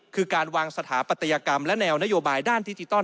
คือการวางสถาปัตยกรรมและแนวนโยบายด้านดิจิทัล